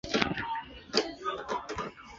嘉靖二十五年迁扬州府同知。